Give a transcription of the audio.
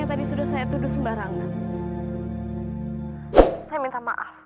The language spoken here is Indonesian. aku harus menunggu evita